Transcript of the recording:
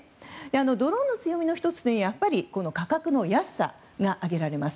ドローンの強みの１つはやっぱり価格の安さが挙げられます。